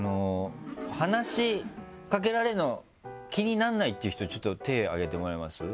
話しかけられるの気にならないっていう人ちょっと手上げてもらえます？